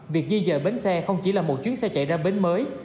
việc di dời bến xe không chỉ là một chuyến xe chạy ra bến mới